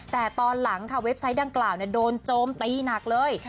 แต่ตอนหลังค่ะเว็บไซต์ดังกล่าวโดนโจมตีหนักเลย